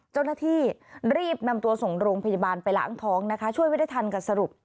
เจ้าหน้าที่รีบนำตัวส่งโรงพยาบาลไปล้างท้องนะคะช่วยไว้ได้ทันกับสรุป